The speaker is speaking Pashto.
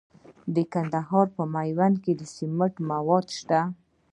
د کندهار په میوند کې د سمنټو مواد شته.